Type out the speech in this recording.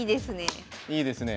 いいですね。